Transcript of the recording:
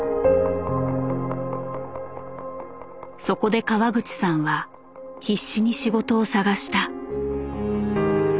そこで川口さんは必死に仕事を探した。